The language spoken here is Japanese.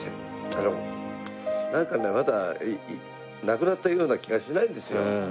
あのなんかねまだ亡くなったような気がしないんですよ。